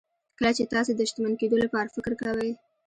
کله چې تاسې د شتمن کېدو لپاره فکر کوئ.